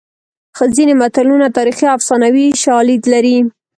ځینې متلونه تاریخي او افسانوي شالید لري